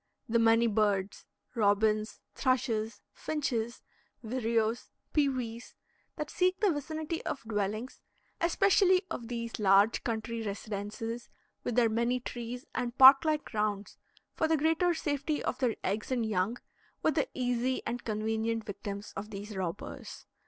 The many birds robins, thrushes, finches, vireos, pewees that seek the vicinity of dwellings (especially of these large country residences with their many trees and park like grounds), for the greater safety of their eggs and young, were the easy and convenient victims of these robbers.